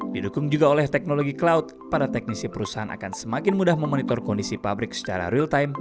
didukung juga oleh teknologi cloud para teknisi perusahaan akan semakin mudah memonitor kondisi pabrik secara real time